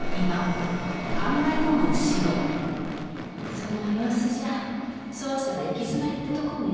その様子じゃ捜査は行き詰まりってとこね。